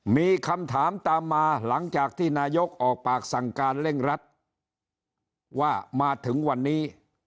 มีคำถามตามมาหลังจากที่นายกออกปากสั่งการเร่งรัดว่ามาถึงวันนี้